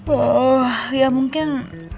oh ya mungkin